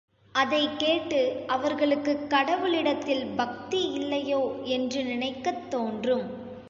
அதைக் கேட்டு, அவர்களுக்குக் கடவுளிடத்தில் பக்தி இல்லையோ என்று நினைக்கத் தோன்றும்.